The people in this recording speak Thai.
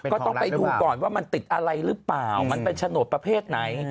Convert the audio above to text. ก็ต้องไปดูก่อนว่ามันติดอะไรหรือเปล่ามันเป็นโฉนดประเภทไหน